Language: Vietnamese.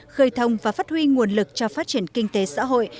khơi thông và phát huy nguồn lực cho phát triển kinh tế xã hội